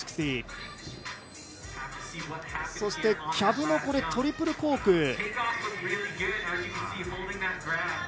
そしてキャブのトリプルコーク。